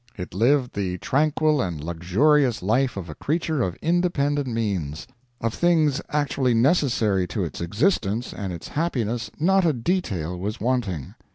"It lived the tranquil and luxurious life of a creature of independent means. Of things actually necessary to its existence and its happiness not a detail was wanting.